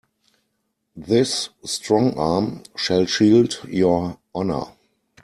This strong arm shall shield your honor.